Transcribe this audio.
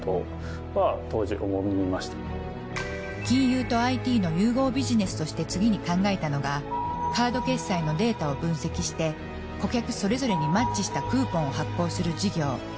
金融とＩＴの融合ビジネスとして次に考えたのがカード決済のデータを分析して顧客それぞれにマッチしたクーポンを発行する事業。